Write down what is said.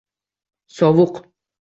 Sovuq